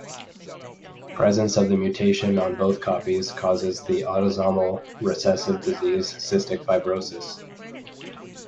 Presence of the mutation on both copies causes the autosomal recessive disease cystic fibrosis.